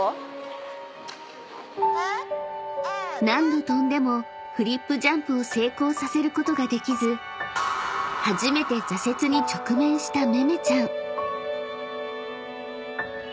［何度跳んでもフリップジャンプを成功させることができず初めて挫折に直面しためめちゃん］